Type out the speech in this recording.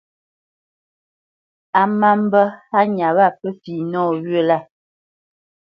A má mbə́ hánya wâ pə́ fi nɔwyə̂ lâ.